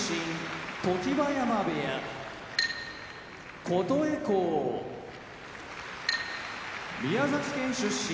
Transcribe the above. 常盤山部屋琴恵光宮崎県出身